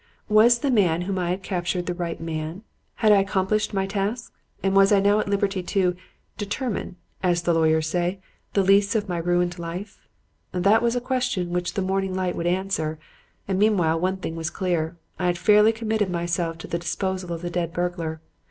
Was the man whom I had captured the right man? Had I accomplished my task, and was I now at liberty to 'determine,' as the lawyers say, the lease of my ruined life? That was a question which the morning light would answer; and meanwhile one thing was clear: I had fairly committed myself to the disposal of the dead burglar.